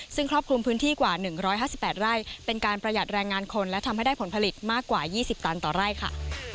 ซึ่งควบคุมพื้นที่กว่าหนึ่งร้อยห้าสิบแปดไร่เป็นการประหยัดแรงงานคนและทำให้ได้ผลผลิตมากกว่ายี่สิบตันต่อไร่ค่ะ